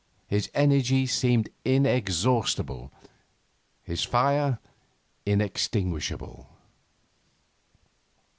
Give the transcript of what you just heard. His energy seemed inexhaustible, his fire inextinguishable.